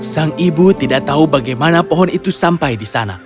sang ibu tidak tahu bagaimana pohon itu sampai di sana